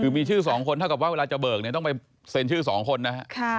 คือมีชื่อสองคนถ้าเวลาจะเบิกเนี่ยต้องไปเซ็นชื่อสองคนนะ